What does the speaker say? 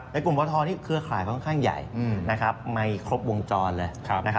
กลุ่มปทนี่เครือข่ายค่อนข้างใหญ่ไม่ครบวงจรเลย